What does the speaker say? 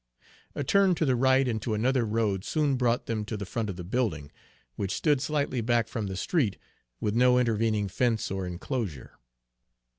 A turn to the right into another road soon brought them to the front of the building, which stood slightly back from the street, with no intervening fence or inclosure.